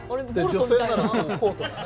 女性ならこうとかね。